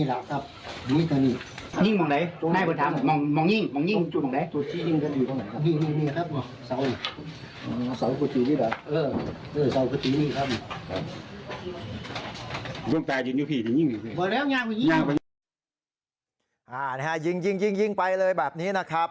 อ่านะฮะยิงไปเลยแบบนี้นะครับ